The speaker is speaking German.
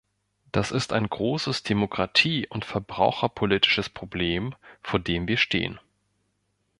Das ist ein großes demokratie- und verbraucherpolitisches Problem, vor dem wir stehen.